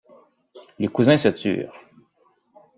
Les cousins se turent.